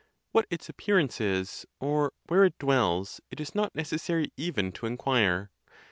What its appearance is, or where it dwells, it is not necessary even to inquire.